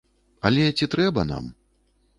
Але ці трэба нам?